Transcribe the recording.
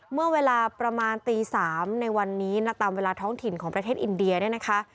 เมื่อเวลาประมาณตี๓ในวันนี้นะตามเวลาท้องถิ่นของประเทศอินเดียเนี่ยนะคะ